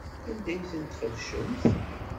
Anda ay ten-txebcemt?